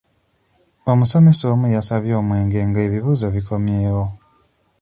Omusomesa omu yasabye omwenge nga ebibuuzo bikomyewo.